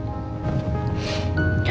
dia harus kehilangan keisha